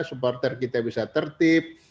supporter kita bisa tertip